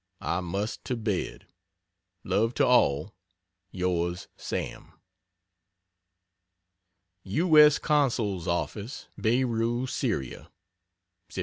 I must to bed. Love to all. Yrs SAM. U. S. CONSUL'S OFFICE, BEIRUT, SYRIA, Sept.